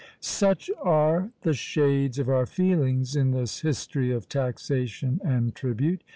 " Such are the shades of our feelings in this history of taxation and tribute.